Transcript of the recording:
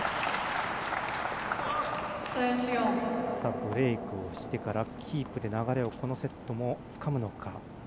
ブレークをしてからキープで流れをこのセットもつかむのか。